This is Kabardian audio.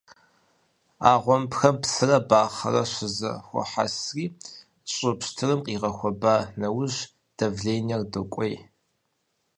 А гъуэмбхэм псырэ бахъэрэ щызэхуехьэсри, щӀы пщтырым къигъэхуэба нэужь, давленэр докӀуей.